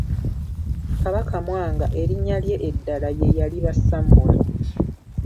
Kabaka Mwanga erinnya lye eddala ye yali Basammula.